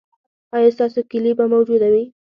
ایا ستاسو کیلي به موجوده وي؟